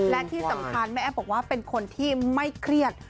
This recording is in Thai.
และที่สำคัญแม่แอฟบอกว่าเป็นคนที่ไม่เครียด